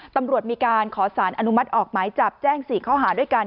ตำรวจมีการขอสารอนุมัติออกหมายจับแจ้ง๔ข้อหาด้วยกัน